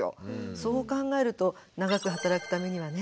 そう考えると長く働くためにはね